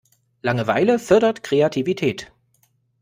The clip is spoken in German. Langeweile fördert Kreativität.